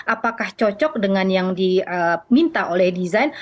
apakah cocok dengan yang diminta oleh desain